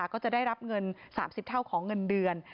ก็จะได้รับเงิน๓๐เท่าของเงินเดือน